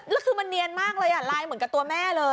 แล้วคือมันเนียนมากเลยลายเหมือนกับตัวแม่เลย